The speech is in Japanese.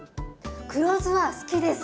黒酢は好きです。